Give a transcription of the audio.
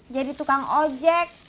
jadi tukang ojek